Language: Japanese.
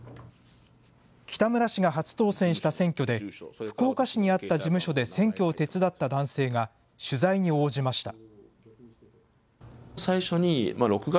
北村氏が初当選した選挙で、福岡市にあった事務所で選挙を手伝った男性が取材に応じました。